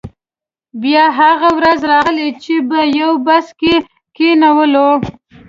بیا هغه ورځ راغله چې په یو بس کې یې کینولو.